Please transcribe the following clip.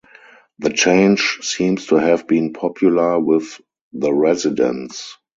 The change seems to have been popular with the residents.